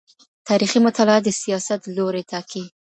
تاريخي مطالعه د سياست لوری ټاکي.